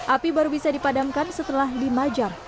api baru bisa dipadamkan setelah lima jam